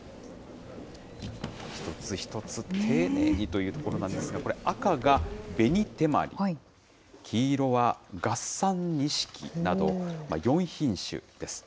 一つ一つ丁寧にというところなんですが、これ、赤が紅てまり、黄色は月山錦など、４品種です。